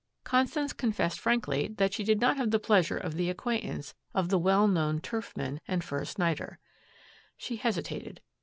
Constance confessed frankly that she did not have the pleasure of the acquaintance of the well known turfman and first nighter. She hesitated.